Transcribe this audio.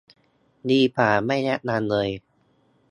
ดีกว่าไม่แนะนำเลย